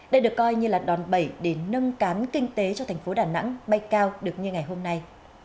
đây được coi như là đòn bẩy để nâng cán kinh tế cho thành phố đà nẵng bay cao được như ngày hôm nay